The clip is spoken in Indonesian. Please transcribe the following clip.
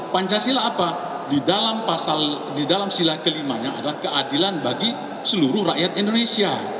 pancasila apa di dalam pasal di dalam sila kelimanya adalah keadilan bagi seluruh rakyat indonesia